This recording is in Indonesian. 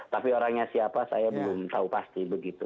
tapi orangnya siapa saya belum tahu pasti begitu